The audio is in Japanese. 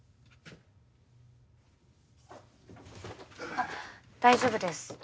あっ大丈夫です。